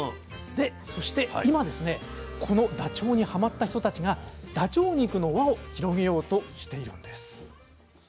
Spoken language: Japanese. そして今このダチョウにはまった人たちがダチョウ肉の輪を広げようとしているんです。